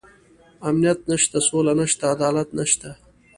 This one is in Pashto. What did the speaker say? امنيت نشته، سوله نشته، عدالت نشته.